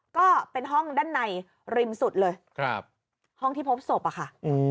ก็เป็นห้องด้านในริมสุดเลยครับห้องที่พบศพอะค่ะ